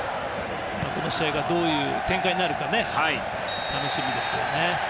この試合がどういう展開になるか楽しみです。